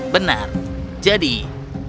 benar jadi apa yang kamu inginkan